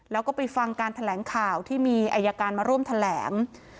แล้วก็ไปฟังการแถลงข่าวที่มีอายการมาร่วมแถลง